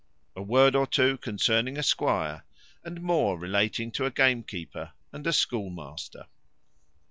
A word or two concerning a squire, and more relating to a gamekeeper and a schoolmaster.